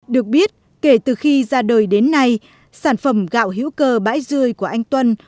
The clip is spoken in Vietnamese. được biết kể từ khi ra đời đến nay sản phẩm gạo hữu cơ bãi rươi của anh tuân